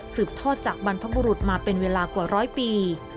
ทอดจากบรรพบุรุษมาเป็นเวลากว่าร้อยปี